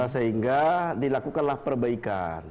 sehingga dilakukanlah perbaikan